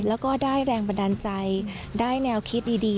แล้วก็ได้แรงบันดาลใจได้แนวคิดดี